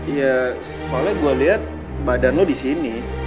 ya soalnya gue liat badan lo disini